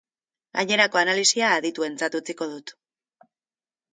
Gainerako analisia adituentzat utziko dut.